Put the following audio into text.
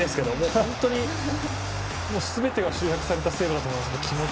本当にすべてが集約されたセーブだと思います。